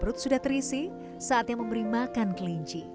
perut sudah terisi saatnya memberi makan kelinci